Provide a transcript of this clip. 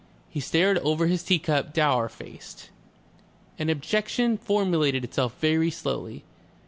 He stared over his tea cup dour faced. An objection formulated itself very slowly.